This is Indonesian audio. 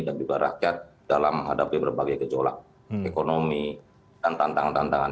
dan juga rakyat dalam menghadapi berbagai gejolak ekonomi dan tantangan tantangan